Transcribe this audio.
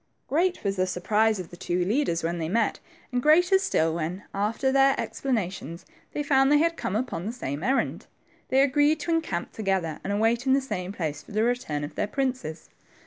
Great was the surprise of the two leaders when they met and greater still when, after their ex planations, they found they had coihe upon the same errand. They agreed to encamp together and await in the same place the return of their princes.